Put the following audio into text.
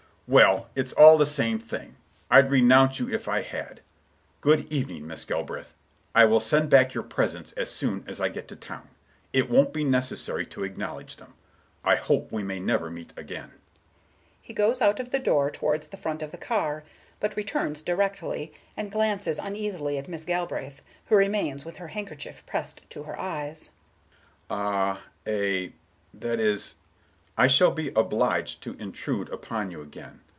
Mr. Richards: "Well, it's all the same thing. I'd renounce you if I had. Good evening, Miss Galbraith. I will send back your presents as soon as I get to town; it won't be necessary to acknowledge them. I hope we may never meet again." He goes out of the door towards the front of the ear, but returns directly, and glances uneasily at Miss Galbraith, who remains with her handkerchief pressed to her eyes. "Ah—a—that is—I shall be obliged to intrude upon you again.